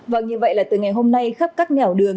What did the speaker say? vâng như vậy là từ ngày hôm nay khắp các nẻo đường